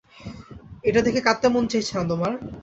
এটা দেখে কাঁদতে মন চাইছে না তোমার?